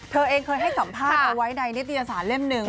เธอเองเคยให้สัมภาษณ์เอาไว้ในนิตยสารเล่มหนึ่ง